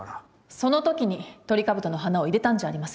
そのときにトリカブトの花を入れたんじゃありませんか？